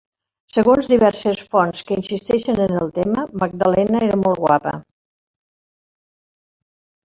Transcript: Segons diverses fonts que insisteixen en el tema, Magdalena era molt guapa.